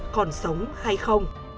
còn sống hay không